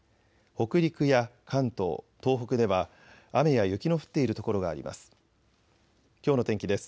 北陸や関東、東北では雨や雪の降っている所があります。